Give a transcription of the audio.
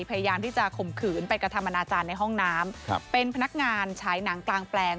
พยายามที่จะข่มขืนไปกระทำอนาจารย์ในห้องน้ำครับเป็นพนักงานฉายหนังกลางแปลง